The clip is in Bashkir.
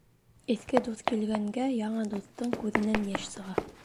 Иҫке дуҫ килгәнгә яңы дуҫтың күҙенән йәш сыға.